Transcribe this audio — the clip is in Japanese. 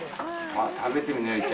食べてみないと。